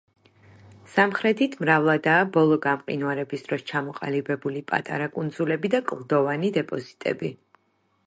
სამხრეთით მრავლადაა ბოლო გამყინვარების დროს ჩამოყალიბებული პატარა კუნძულები და კლდოვანი დეპოზიტები.